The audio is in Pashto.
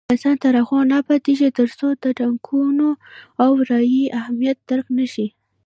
افغانستان تر هغو نه ابادیږي، ترڅو د ټاکنو او رایې اهمیت درک نشي.